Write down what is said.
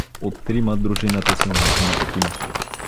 От трима дружината се умножи на петима.